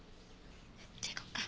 じゃあ行こうか。